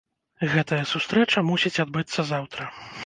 Гэтая сустрэча мусіць адбыцца заўтра.